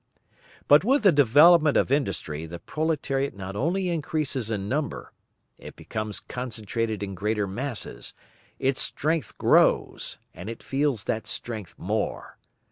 But with the development of industry the proletariat not only increases in number; it becomes concentrated in greater masses, its strength grows, and it feels that strength more.